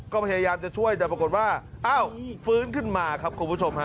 ก็พยายามจะช่วยแต่ปรากฏว่าอ้าวฟื้นขึ้นมาครับคุณผู้ชมฮะ